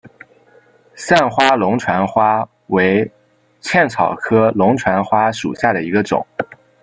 散花龙船花为茜草科龙船花属下的一个种。